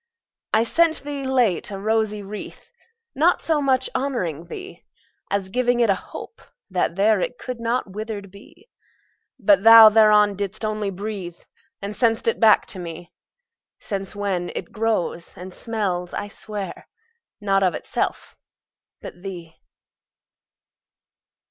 I sent thee, late, a rosy wreath, Not so much honouring thee, As giving it a hope, that there It could not withered be. But thou thereon didst only breathe, And sent'st back to me: Since when it grows, and smells, I swear, Not of itself, but thee.